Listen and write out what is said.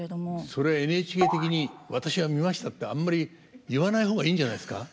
それＮＨＫ的に「私は見ました」ってあんまり言わない方がいいんじゃないんですか。